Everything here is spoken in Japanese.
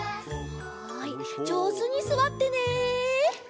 はいじょうずにすわってね！